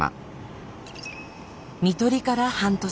看取りから半年。